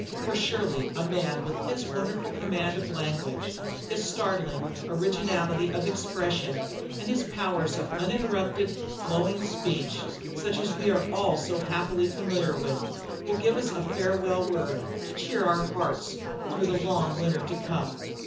For surely a man with his wonderful command of language, his startling originality of expression, and his powers of uninterrupted, flowing speech, such as we are all so happily familiar with, will give us a farewell word to cheer our hearts through the long winter to come.